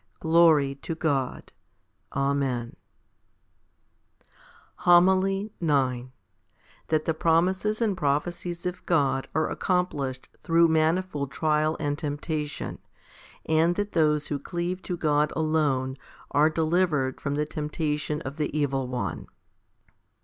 Glory to God. Amen. 1 The experience spoken of above, 3. 2 John xiv. 2. HOMILY IX That the promises and prophecies of God are accomplished through manifold trial and temptation, and that those who cleave to God alone are delivered from the temptation of the evil one.